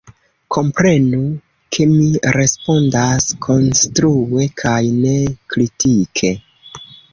Komprenu, ke mi respondas konstrue kaj ne kritike.